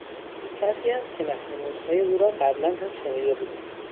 او کسی است که رهنمودهای او را قبلا هم شنیده بودیم.